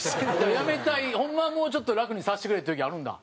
辞めたいホンマはもうちょっと楽にさせてくれっていう時あるんだ。